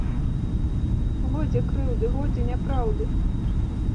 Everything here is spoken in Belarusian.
Годзе крыўды, годзе няпраўды!